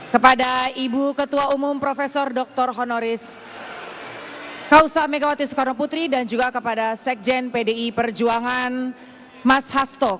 kepada ibu ketua umum prof dr honoris kausa megawati soekarno putri dan juga kepada sekjen pdi perjuangan mas hasto